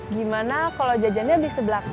gimana kalau jajannya di sebelah